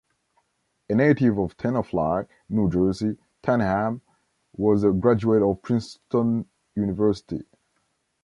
A native of Tenafly, New Jersey, Tanham was a graduate of Princeton University.